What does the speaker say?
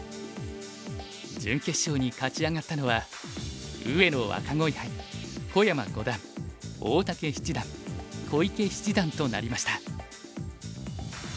準決勝に勝ち上がったのは上野若鯉杯小山五段大竹七段小池七段となりました。